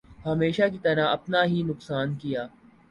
ہمیشہ کی طرح اپنا ہی نقصان کیا ۔